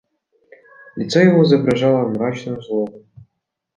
Лицо его изображало мрачную злобу.